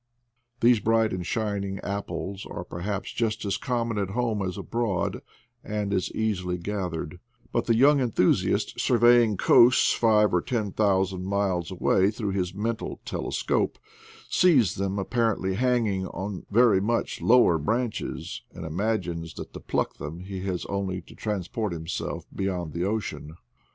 These bright and shining apples are perhaps just as common at home as abroad, and as easily gathered; but the young enthusiast, surveying coasts five or ten thousand miles away through his mental telescope, sees them appar ently hanging on very much lower branches, and imagines that to pluck them he has only to trans port himself beyond the ocean.